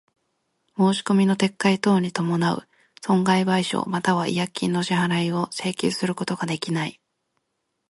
申込みの撤回等に伴う損害賠償又は違約金の支払を請求することができない。